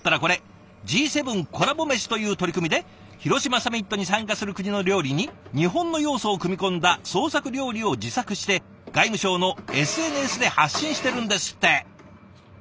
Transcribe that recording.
これ「＃Ｇ７コラボめし」という取り組みで広島サミットに参加する国の料理に日本の要素を組み込んだ創作料理を自作して外務省のＳＮＳで発信してるんですって。